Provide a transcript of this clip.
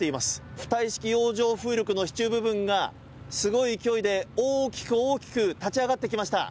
浮体式洋上風力の支柱部分がすごい勢いで大きく大きく立ち上がってきました。